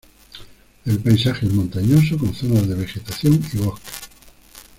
El paisaje es montañoso con zonas de vegetación y bosques.